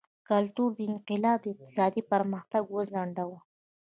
کلتوري انقلاب اقتصادي پرمختګ وځنډاوه.